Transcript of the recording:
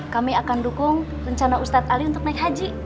kami akan dukung rencana ustadz ali untuk naik haji